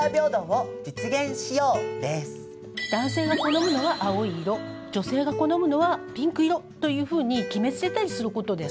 男性が好むのは青い色女性が好むのはピンク色というふうに決めつけたりすることです。